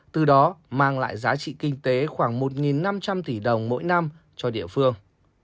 từ đó mang lại giá trị kinh tế khoảng một năm trăm linh tỷ đồng mỗi năm cho địa phương